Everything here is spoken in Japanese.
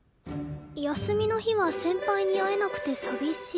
休みの日は先輩に会えなくて寂しい